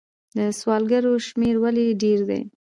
د سوالګرو شمیر ولې ډیر دی؟